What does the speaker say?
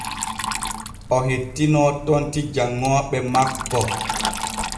O hettinoo tonti janŋooɓe makko.